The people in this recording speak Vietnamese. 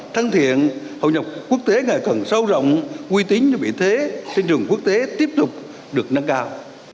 thân thiện hội nhập quốc tế ngày cận sâu rộng quy tính như vậy thế sinh trường quốc tế tiếp tục được năng cao